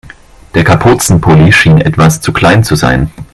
Der Kapuzenpulli schien etwas zu klein zu sein.